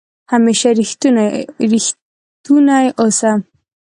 همېشه ریښتونی اوسه